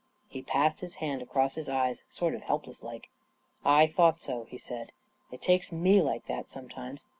He passed his hand across his eyes, sort of help > less like. 44 1 thought so," he said. " It takes me like that, sometimes.